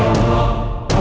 ada apaan sih